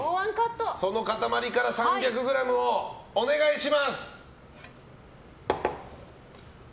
その塊から３００ｇをお願いします！